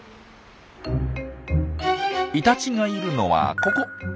イタチがいるのはここ。